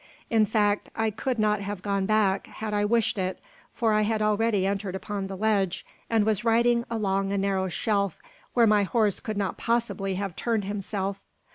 In fact, I could not have gone back had I wished it; for I had already entered upon the ledge, and was riding along a narrow shelf where my horse could not possibly have turned himself.